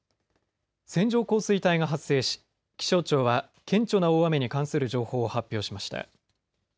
線状降水帯が発生し気象庁は顕著な大雨に関する情報を発表しました。